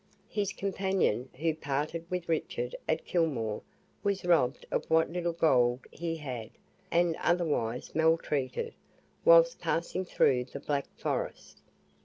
His companion, who parted with Richard at Kilmore, was robbed of what little gold he had, and otherwise maltreated, whilst passing through the Black Forest.